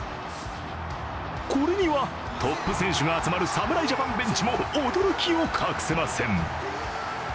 これには、トップ選手が集まる侍ジャパンベンチも驚きを隠せません。